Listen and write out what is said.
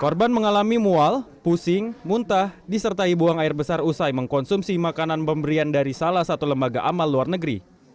korban mengalami mual pusing muntah disertai buang air besar usai mengkonsumsi makanan pemberian dari salah satu lembaga amal luar negeri